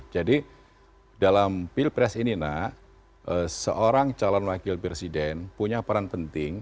jadi dalam pil pres ini nak seorang calon wakil presiden punya peran penting